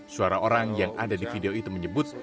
suara orang yang ada di video itu menyebut